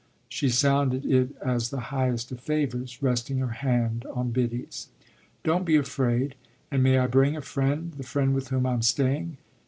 She sounded it as the highest of favours, resting her hand on Biddy's. "Don't be afraid. And may I bring a friend the friend with whom I'm staying?"